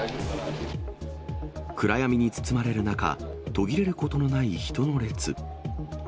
暗闇に包まれる中、途切れることのない人の列。